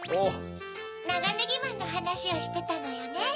ナガネギマンのはなしをしてたのよね。